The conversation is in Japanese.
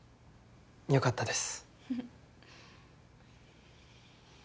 よかったです。